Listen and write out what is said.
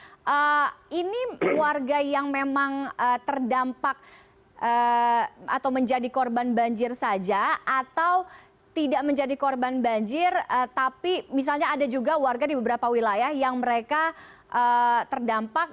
nah ini warga yang memang terdampak atau menjadi korban banjir saja atau tidak menjadi korban banjir tapi misalnya ada juga warga di beberapa wilayah yang mereka terdampak